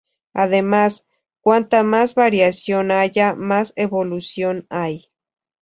Además, cuanta más variación haya, más evolución hay.